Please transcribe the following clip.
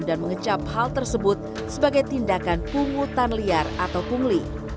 dan mengecap hal tersebut sebagai tindakan pungutan liar atau pungli